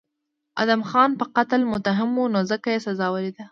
ادهم خان په قتل متهم و نو ځکه یې سزا ولیده.